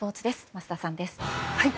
桝田さんです。